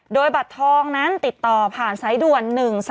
โดยบัตรทองนั้นติดต่อผ่านสายด่วน๑๓